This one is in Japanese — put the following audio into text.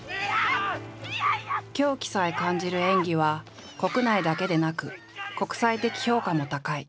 狂気さえ感じる演技は国内だけでなく国際的評価も高い。